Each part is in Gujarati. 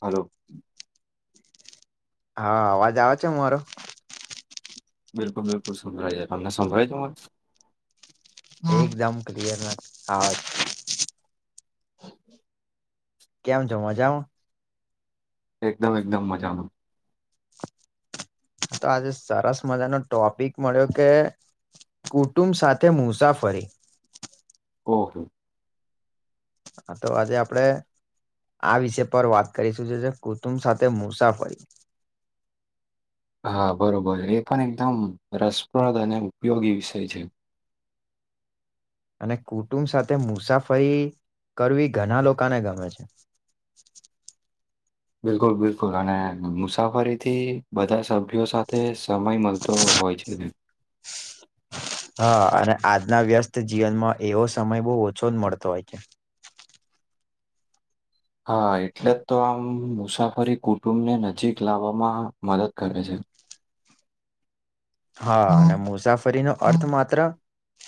હલો હા અવાજ આવે છે મારો બિલકુલ બિલકુલ સંભળાય જાય તમને સંભળીજ મ એકદમ ક્લયર ના હ કેમ છ મજામાં? એકદમ એકદમ મજાનું તો આજે સરસ મજાનો ટોપિક મળ્યો કે કુટુંબ સાથે મુસાફરી ઓહો! હા તો આજે આપડે આ વિષય પર વાત કરીશું છે જે કુટુંબ સાથે મુસાફરી હા બરોબર એ પણ એકદમ રસપ્રદ અને ઉપયોગી વિષય છે. અને કુટુંબ સાથે મુસાફરી કરવી ઘણા લોકોને ગમે છે. [inaudible] બિલકુલ બિલકુલ અને મુસાફરીથી બધા સભ્યો સાથે સમય મળતો હોય છે. હા અને આજના વ્યસ્ત જીવનમાં એવો સમય બહ ઓછો જ મળતો હોય છે. હા એટલે જ તો આમ મુસાફરી કુટુંબને નજીક લાવવામાં મદદ કરે છે હા અને મુસાફરીનો અર્થ માત્ર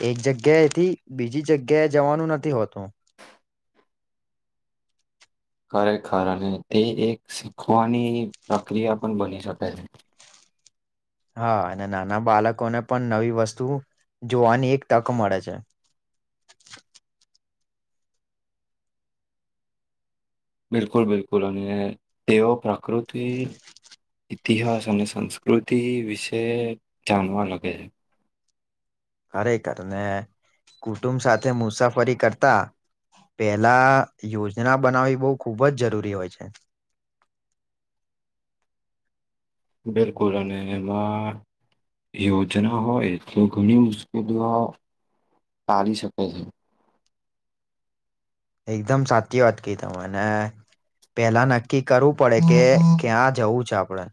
એક જગ્યાએથી બીજી જગ્યાએ જવાનું નથી હોતું. ખરેખર અને તે એક શીખવાની પ્રક્રિયા પણ બની શકે છે. હા અને નાના બાળકોને પણ નવી વસ્તુ જોવાની એક તક મળે છે. બિલકુલ બિલકુલ અને તેઓ પ્રકૃતિ ઇતિહાસ અને સંસ્કૃતિ વિશે જાણવા લાગે છે. ખરેખર ને કુટુંબ સાથે મુસાફરી કરતા પેલા યોજના બનાવી બહુ ખૂબ જ જરૂરી હોય છે. બિલકુલ અને એમાં યોજના હોય તો ઘણી મુશ્કેલી ચાલી શકે છે. એકદમ સાચી વાત કઈ તમે પેલા નક્કી કરવું પડે કે ક્યાં જવું છે આપડે.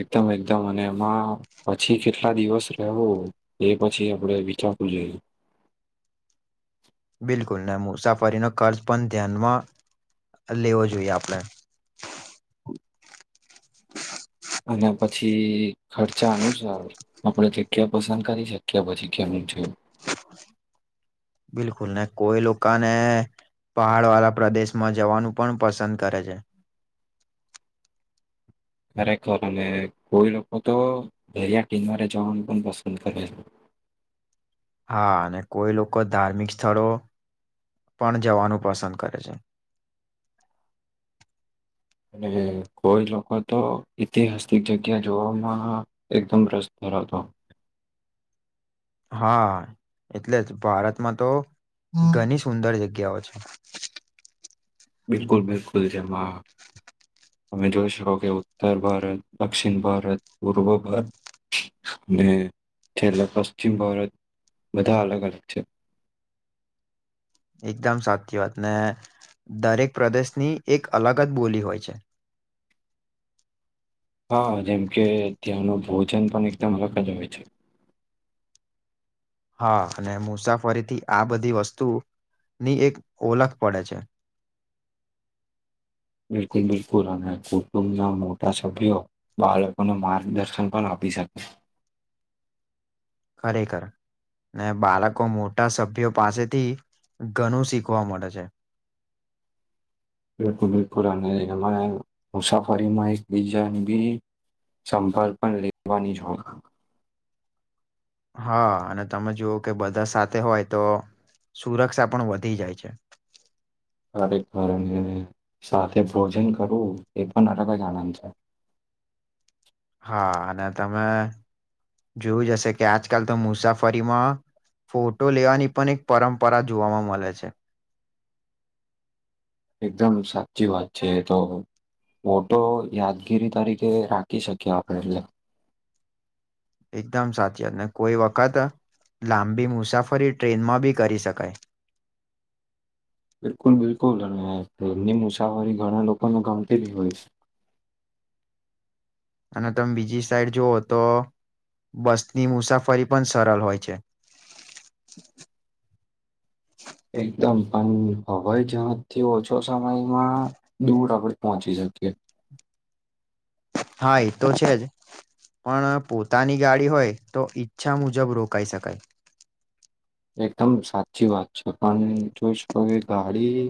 એકદમ એકદમ અને એમાં પછી કેટલા દિવસ રહેવો એ પછી આપડે વિચાર [unintelligible] બિલકુલ ના મુસાફરીનો કર્જ પણ ધ્યાનમાં લેવો જોઈએ આપણે. [inaudible] અને પછી ખર્ચા અનુસાર આપડ જે ક્યા પસંદ કરી શકીએ પછી કેમ જો બિલકુલ ન કોઈ લોકોને પહાડવાળા પ્રદેશમાં જવાનું પણ પસંદ કરે છે. ખરેખર અને કોઈ લોકો તો દરિયા ટિનવારે જવાનું પણ પસંદ કરે છે. હા અને કોઈ લોકો ધાર્મિક સ્થળો પણ જવાનું પસંદ કરે છે અને કોઈ લોકો તો ઐતિહાસિક જગ્યા જોવામાં એકદમ રસ્ [unintelligible] હા એટલે જ ભારતમાં તો ઘણી સુંદર જગ્યાઓ છે. બિલકુલ બિલકુલ જમા તમે જોઈ શકો કે ઉત્તર ભારત દક્ષિણ ભારત પૂર્વ ભારત ને છેલ્લા પશ્ચિમ ભારત બધા અલગ અલગ છે, એકદમ સાચી વાત ને દરેક પ્રદેશની એક અલગ જ બોલી હોય છે, હા જેમ કે ત્યાંનું ભોજન પણ એકદમ અલગ જ હોય છે, હા, અને મુસાફરીથી આ બધી વસ્તુ ની એક ઓળખ પડે છે, બિલકુલ બિલકુલ અને કુટુંબ ના મોટા સભ્યો બાળકોને માર્ગદર્શન પણ આપી શકે, ખરેખર ને બાળકો મોટા સભ્યો પાસેથી ઘણું શીખવા મળે છે, [unintelligible] એ મુસાફરીમાં એક બીજાની બી સંભાળ પણ લેવાની જ હા, અને તમે જોુવઓ કે બધા સાથે હોય તો સુરક્ષા પણ વધી જાય છે, ખરેખર અને સાથે ભોજન કરવું એ પણ અલગ જ આનંદ છે, હા, અને તમે જોવું જ હશે કે આજકાલ તો મુસાફરીમાં ફોટો લેવાની પણ એક પરંપરા જોવામાં મળે છે, એકદમ સાચી વાત છે, તો ઓટો યાદગીરી તરીકે રાખી શકીએ, આપણે એટલે એકદમ સાચ વાત ને કોઈ વખત લાંબી મુસાફરી ટ્રેનમાં બી કરી શકાય, બિલકુલ બિલકુલ અને એની મુસાફરી ઘણા લોકોને ગમતીલી હોય છે. અને તમે બીજી સાઈડ જુવઓ તો બસની મુસાફરી પણ સરળ હોય છે, એકદમ પણ હવાઈ જઝડજથી ઓછો સમયમાં દૂર આપણે પહોંચી શકીએ [unintelligible] હા એ તો છે જ પણ પોતાની ગાડી હોય તો ઈચ્છા મુજબ રોકાઈ શકાય, એકદમ સાચી વાત છે પણ જોઈ શકો કે ગાડી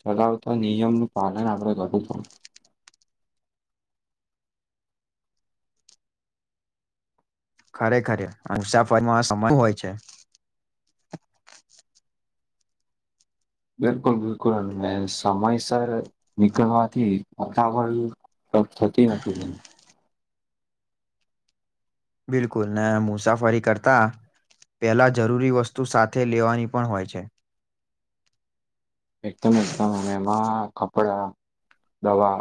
ચલાવતા નિયમ નું પાલન આપડ કરું છું ખરેખરે મુસાફરમાં સમય હોય છે, બિલકુલ બિલકુલ સમયસર નીકળવાથીતા [unintelligible] થતી નથી [unintelligible] બિલકુલ ને મુસાફરી કરતા પેલા જરૂરી વસ્તુ સાથે લેવાની પણ હોય છે. એકદમ-એકદમ અને એમાં કપડા દવા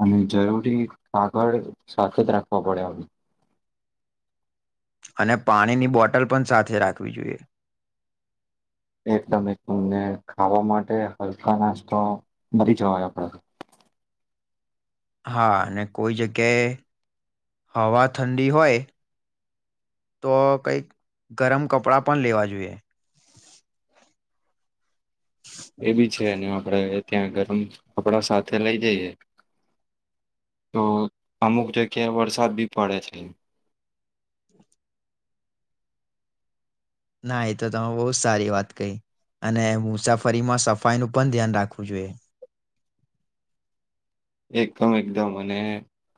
અને જરૂરી કાગળ સાથે જ રાખવા પડે હવે, અને પાણીની બોટલ પણ સાથે રાખવી જોઈએ. એકદમ-એકદમ ને ખાવા માટે હલકા નાસ્તો, મલી જવાય આપડા થી. [inaudible] હા અને કોઈ જગ્યાએ હવા ઠંડી હોય તો કઈક ગરમ કપડાં પણ લેવા જુએ. એ બી છે અને આપળે ત્યાં ગરમ કપડા સાથે લઈ જઈએ તો અમુક જગ્યાએ વરસાદ બી પડે છે. [inaudible] ના એ તો તમે બો જ સારી વાત કય અને મુસાફરીમાં સફાઈનું પણ ધ્યાન રાખવું જુએ એકદમ-એકદમ અને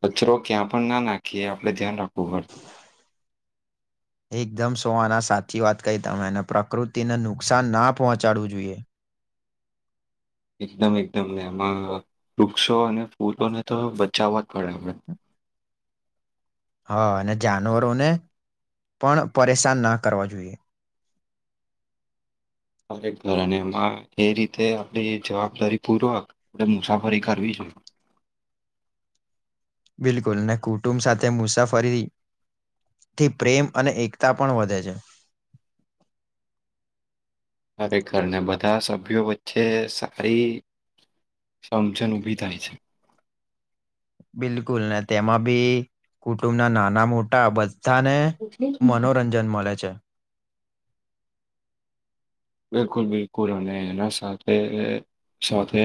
કચરો ક્યાં પણ ના નાખીએ આપડે ધ્યાન રાખવું પડ. [inaudible] એકદમ સો આના સાચી વાત કય તમે ને પ્રકૃતિને નુકસાન ના પહોંચાડવું જુએ. [inaudible] એકદમ-એકદમ ને એમાં વૃક્ષો અને ફૂલોને તો બચાવાચ પડે આપળે. હ. હા અને જાનવરોને પણ પરેશાન ના કરવા જોઈએ. ખરેખર એમાં એ રીતે આપડી જવાબદારી પૂર્વક આપળે મુસાફરી કરવી જોઈએ. [inaudible] બિલકુલ ને કુટુંબ સાથે મુસાફરી થી પ્રેમ અને એકતા પણ વધે છે. ખરેખર ને બધા સભ્યો વચ્ચે સારી સમજન ઊભી થાય છે. બિલકુલ ને તેમાં બી કુટુંબના નાના મોટા બઝ ધાને મનોરંજન મલે છે. બિલકુલ-બિલકુલ અને એના સાથે-સાથે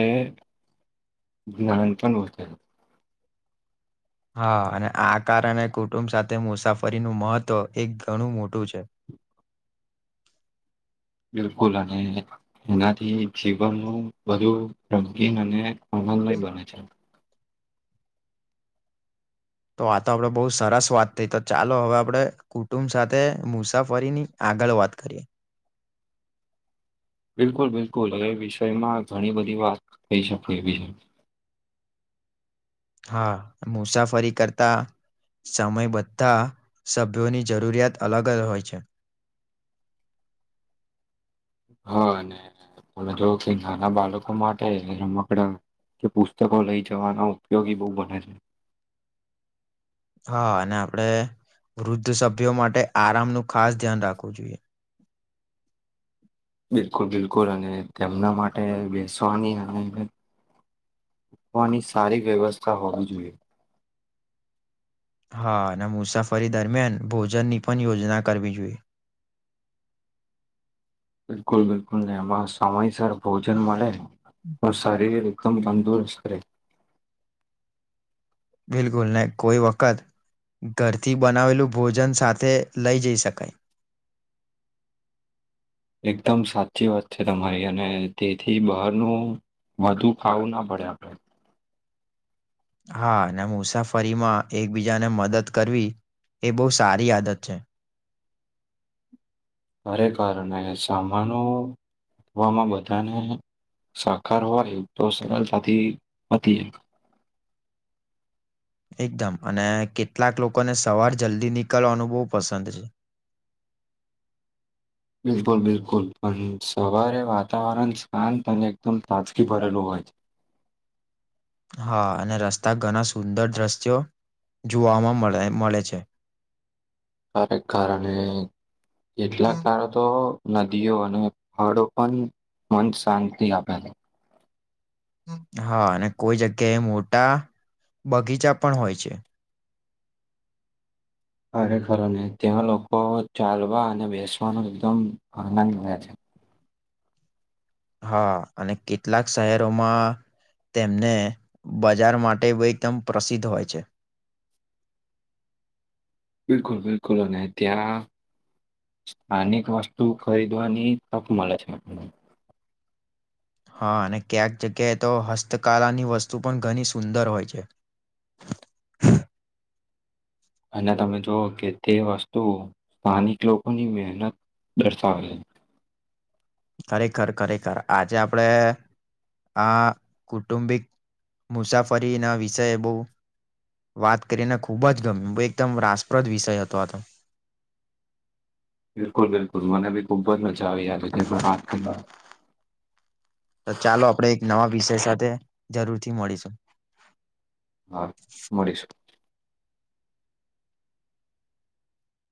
જ્ઞાન પણ. [unintelligible] હા અને આ કારને કુટુંબ સાથે મુસાફરીનું મહત્ત્વ એક ઘણું મોટું છે. [inaudible] બિલકુલ અને એનાથી જીવનનું વધુ રમકીન અને અમન મઈ બના છે. તો આ તો આપડે બહુ સરસ વાત થઈ તો ચાલો હવે આપડે કુટુંબ સાથે મુસાફરીની આગળ વાત કરીએ બિલકુલ-બિલકુલ એ વિષયમાં ઘણી બધી વાત [unintelligible] શકે એવી છે. હા મુસાફરી કરતા સમય બધા સભ્યોની જરૂરિયાત અલગ જ હોય છે. [inaudible] હા અને [unintelligible] તો કૈય નાના બાળકો માટે રમકડા કે પુસ્તકો લઈ જવાના ઉપયોગી બો બને છે. હા અને આપળે વૃદ્ધ સભ્યો માટે આરામનું ખાસ ધ્યાન રાખવું જોઈએ બિલકુલ-બિલકુલ અને તેમના માટે બેસવાની અને [unintelligible] સારી વ્યવસ્થા હોવી જોઈએ. હા અને મુસાફરી દરમિયાન ભોજનની પણ યોજના કરવી જોઈએ. બિલકુલ-બિલકુલ ને આમાં સમયસર ભોજન મલે તો શરીર તુમ તંદુરસ્ત કરે બિકુલ નહી કોઈ વકત ઘરથી બનાવેલું ભોજન સાથે લઈ જઈ શકાય [inaudible] એકદમ સાચી વાત છે તમારી અને તેથી બહારનું વધુ ખાવું ના પડે આપડે હા મુસાફરીમાં એકબીજાને મદદ કરવી એ બહુ સારી આદત છે ખરેખર ને સામાનો આપવામાં બધાને સાકાર હોય તો સરળતાથી હતી જ [unintelligible] એકદમ અને કેટલાક લોકોને સવાર જલ્દી નીકળવાનું બહુ પસંદ છે બિલકુલ બિલકુલ પણ સવારે વાતાવરણ શાંત અને એકદમ તાજગી ભરેલું હોય છે હા અને રસ્તા ઘણા સુંદર દ્રશ્યો જોવાવામાંે મળે છે. ખરેખર અને કેટલાક કારો તો નદીઓ અને હળો પણ મન શાંતિ આપે છે. હા અને કોઈ જગ્યાએ મોટા બગીચા પણ હોય છે. ખરેખર નને તે્યાં લોકો ચાલવા અને બેસવાનો એકદમ આનંદ મળ્યા છે. હા અને કેટલાક શહેરોમાં. તેમને બજાર માટે એકદમ પ્રસિદ્ધ હોય છે. બિલકુલ બિલકુલ અને ત્યાં. સ્થાનિક વસ્તુ ખરીદવાની તક મળે છેને. હા અને ક્યાંક જગ્યાએ તો હસ્તકલાની વસ્તુ પણ ઘણી સુંદર હોય છે. હ. અને તમે જો કે તે વસ્તુ સ્થાનિક લોકોની મહેનત. દરસા. ખરેખર ખરેખર આજે આપડે. આ કુટુંબિક મુસાફરીના વિષય બહુ. વાત કરીને ખૂબ જ ગમી એકદમ રાસપ્રદ વિષય હતો આ તો. બિલકુલ બિલકુલ મને બી ખૂબ જ મજ આવી ાર છે વાત કરના. તો ચાલો આપણેે એક નવા વિષય સાથે જરૂરથી મળીશું. હા મળીશું.